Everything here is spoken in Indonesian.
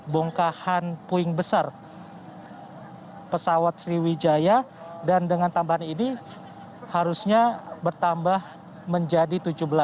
bongkahan puing besar pesawat sriwijaya dan dengan tambahan ini harusnya bertambah menjadi tujuh belas